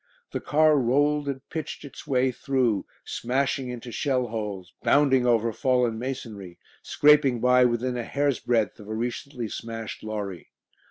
The car rolled and pitched its way through, smashing into shell holes, bounding over fallen masonry, scraping by within a hair's breadth of a recently smashed lorry.